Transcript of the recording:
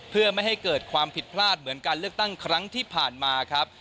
เพื่อไม่ให้เกิดความผิดพลาดเหมือนการเลือกตั้งครั้งที่ผ่านมาครับ